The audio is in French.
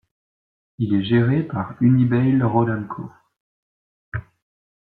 Il est géré par Unibail-Rodamco.